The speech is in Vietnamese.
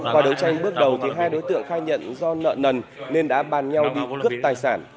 qua đấu tranh bước đầu hai đối tượng khai nhận do nợ nần nên đã bàn nhau đi cướp tài sản